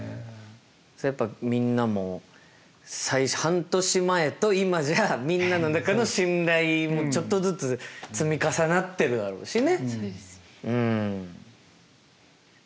それやっぱみんなも半年前と今じゃみんなの中の信頼もちょっとずつ積み重なってるだろうしね。